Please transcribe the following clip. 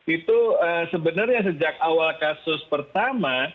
itu sebenarnya sejak awal kasus pertama